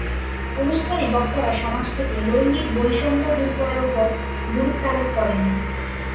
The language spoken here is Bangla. অনুষ্ঠানে বক্তারা সমাজ থেকে লৈঙ্গিক বৈষম্য দূর করার ওপর গুরুত্বারোপ করেন।